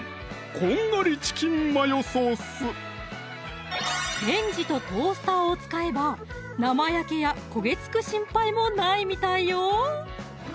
「こんがりチキンマヨソース」レンジとトースターを使えば生焼けや焦げつく心配もないみたいよ